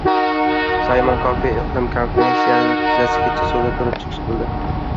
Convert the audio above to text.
Saymon Kofe iqlim konferensiyasida tizzasigacha suvda turib chiqish qildi